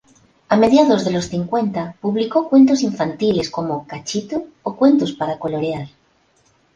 A medianos de los cincuenta publicó cuentos infantiles como "Cachito" o cuentos para colorear.